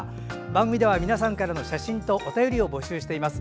番組では皆さんからの写真とお便りを募集しています。